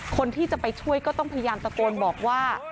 คนที่จะไปช่วยก็ต้องพยายามตะโกนบอกว่า